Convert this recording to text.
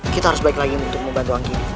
kita harus baik lagi untuk membantu anggiri